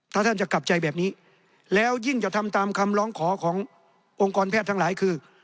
ถ้าท่านจะกลับใจแบบนี้แล้วยิ่งจะทำตามคำร้องขอขององค์กรแพทย์ทั้งหลายคือ